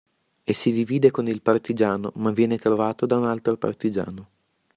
E si divide con il partigiano ma viene trovato da un altro partigiano.